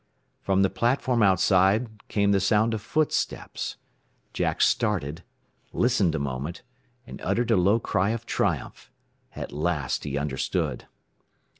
From the platform outside came the sound of footsteps. Jack started, listened a moment, and uttered a low cry of triumph. At last he understood.